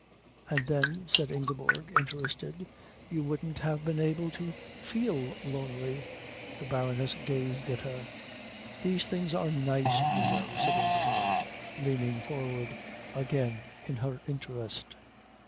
And then," said Ingeborg, interested, "you wouldn't have been able to feel lonely." The Baroness gazed at her. "These things are nice, you know," said Ingeborg, leaning forward again in her interest.